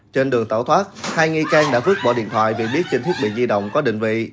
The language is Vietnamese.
trên đường tẩu thoát hai nghi can đã vứt bỏ điện thoại vì biết trên thiết bị di động có định vị